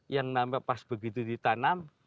yang nampak pas begitu ditanam